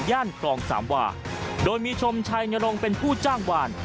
ครองสามวาโดยมีชมชัยนรงค์เป็นผู้จ้างวาน